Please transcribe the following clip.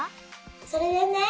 それでね